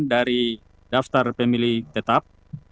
dari daftar pemilih tetap